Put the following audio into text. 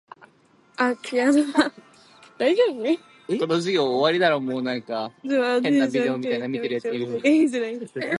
At the advance resumed towards Hessian Trench, which was taken easily.